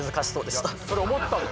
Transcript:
それ思ったもん。